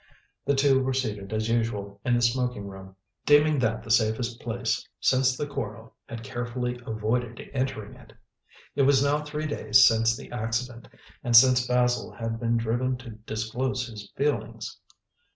The two were seated, as usual, in the smoking room, deeming that the safest place, since Theodore since the quarrel had carefully avoided entering it. It was now three days since the accident, and since Basil had been driven to disclose his feelings.